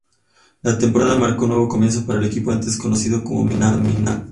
La temporada marcó un nuevo comienzo para el equipo antes conocido como Minardi.